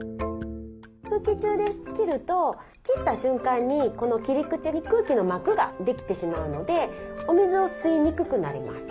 空気中で切ると切った瞬間に切り口に空気の膜ができてしまうのでお水を吸いにくくなります。